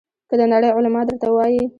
که د نړۍ علما درته وایي.